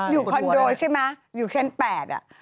อยู่คอนโดใช่ไหมอยู่แค่น๘แหละ